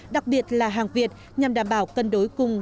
đặc biệt là hàng việt nhằm đảm bảo cân đối cùng